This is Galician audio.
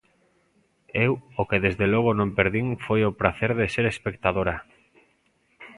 Eu o que desde logo non perdín foi o pracer de ser espectadora.